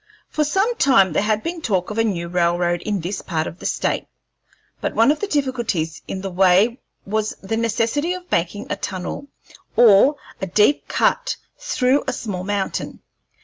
For some time there had been talk of a new railroad in this part of the State, but one of the difficulties in the way was the necessity of making a tunnel or a deep cut through a small mountain.